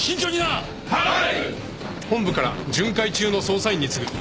本部から巡回中の捜査員に告ぐ。